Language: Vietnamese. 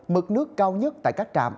mực nước cao nhất tại các trạm